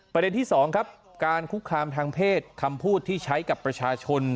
ประเด็นที่๒ครับการคุกคามทางเพศคำพูดที่ใช้กับประชาชน